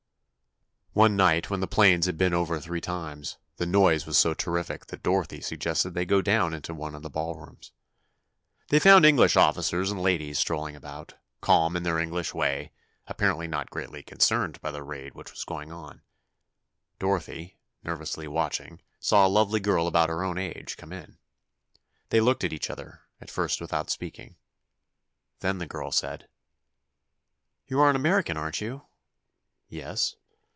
One night when the planes had been over three times, the noise was so terrific that Dorothy suggested they go down into one of the ballrooms. They found English officers and ladies strolling about, calm in their English way, apparently not greatly concerned by the raid which was still going on. Dorothy, nervously watching, saw a lovely girl about her own age, come in. They looked at each other, at first without speaking. Then the girl said: "You are an American, aren't you?" "Yes."